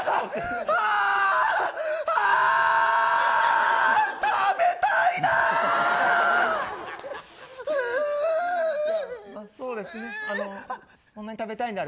あー、食べたいな。